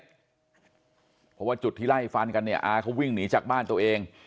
เพราะว่าจุดที่ไล่ฟันกันเนี่ยอาเขาวิ่งหนีจากบ้านตัวเอง